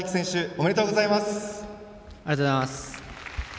ありがとうございます。